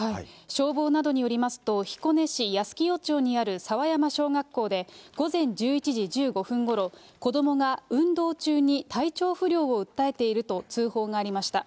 消防などによりますと、彦根市やすきよ町にあるさわやま小学校で、午前１１時１５分ごろ、子どもが運動中に体調不良を訴えていると通報がありました。